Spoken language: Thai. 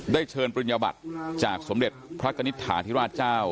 เชิญปริญญาบัติจากสมเด็จพระกณิตฐาธิราชเจ้า